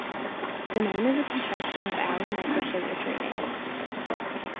The name is a contraction of "Alan Michael Sugar Trading".